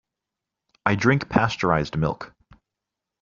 I drink pasteurized milk.